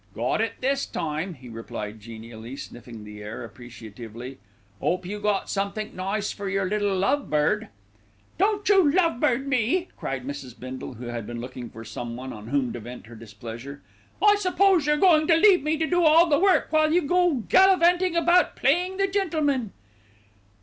"Got it this time," he replied genially, sniffing the air appreciatively. "'Ope you got somethink nice for yer little love bird." "Don't you love bird me," cried Mrs. Bindle, who had been looking for some one on whom to vent her displeasure. "I suppose you're going to leave me to do all the work while you go gallivanting about playing the gentleman."